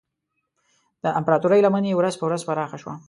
د امپراتورۍ لمن یې ورځ په ورځ پراخه شوه.